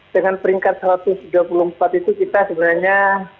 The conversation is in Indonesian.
dengan peringkat satu ratus dua puluh empat itu kita sebenarnya